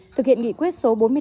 thực hiện nghị quyết số bốn mươi tám